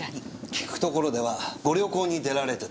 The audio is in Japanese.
聞くところではご旅行に出られてたと。